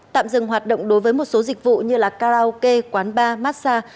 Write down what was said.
tạm dừng hoạt động đối với một số dịch vụ như là karaoke quán bar massage